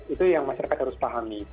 itu yang masyarakat harus pahami